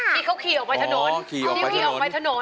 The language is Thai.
ที่เขาขี่ออกไปถนน